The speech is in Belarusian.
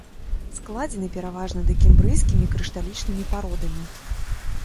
Складзены пераважна дакембрыйскімі крышталічнымі пародамі.